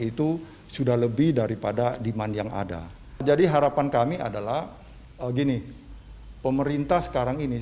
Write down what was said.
itu sudah lebih daripada demand yang ada jadi harapan kami adalah gini pemerintah sekarang ini